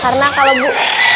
karena kalau bu